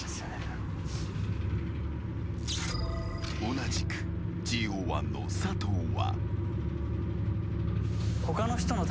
［同じくＪＯ１の佐藤は］